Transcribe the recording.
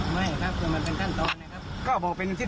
ไม่ครับเคยมันเป็นขั้นตอนนะครับ